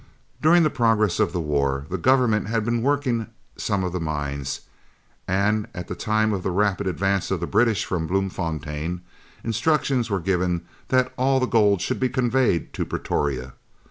During the progress of the war the Government had been working some of the mines, and, at the time of the rapid advance of the British from Bloemfontein, instructions were given that all the gold should be conveyed to Pretoria.